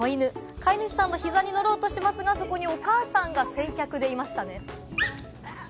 飼い主さんの膝に乗ろうとしますが、そこにはお母さんが先客でいましたね。